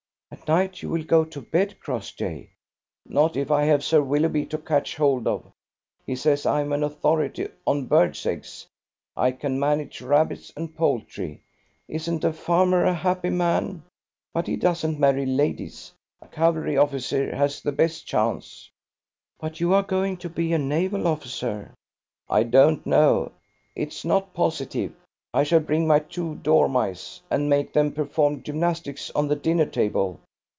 "At night you will go to bed, Crossjay." "Not if I have Sir Willoughby to catch hold of. He says I'm an authority on birds' eggs. I can manage rabbits and poultry. Isn't a farmer a happy man? But he doesn't marry ladies. A cavalry officer has the best chance." "But you are going to be a naval officer." "I don't know. It's not positive. I shall bring my two dormice, and make them perform gymnastics on the dinnertable.